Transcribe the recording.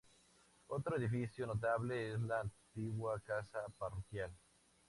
Otro edificio notable es la antigua Casa Parroquial.